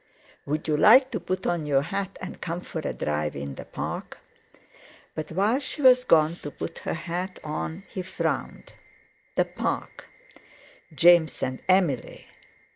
"Would you like to put on your hat and come for a drive in the Park?" But while she was gone to put her hat on, he frowned. The Park! James and Emily!